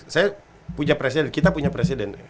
saya punya presiden kita punya presiden